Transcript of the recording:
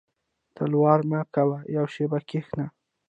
•تلوار مه کوه یو شېبه کښېنه.